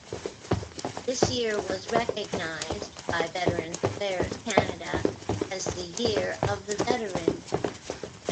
This year was recognized, by Veterans Affairs Canada, as the Year of the Veteran.